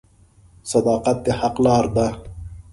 • صداقت د حق لاره ده.